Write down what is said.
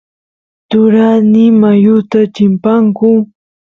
turasniy mayuta chimpanku